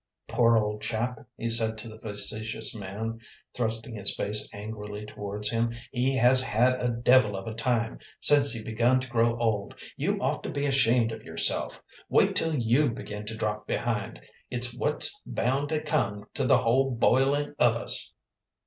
"Poor old chap," he said to the facetious man, thrusting his face angrily towards him. "He has had a devil of a time since he begun to grow old. You ought to be ashamed of yourself. Wait till you begin to drop behind. It's what's bound to come to the whole boiling of us."